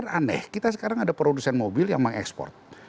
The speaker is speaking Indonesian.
nah ini kita sekarang ada produsen mobil yang mengekspor